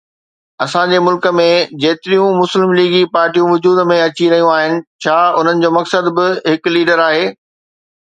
اسان جي ملڪ ۾ جيتريون مسلم ليگي پارٽيون وجود ۾ اچي رهيون آهن، ڇا انهن جو مقصد به هڪ ليڊر آهي؟